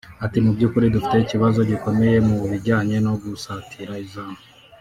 ati “Mu by’ukuri dufite ikibazo gikomeye mu bijyanye no gusatira izamu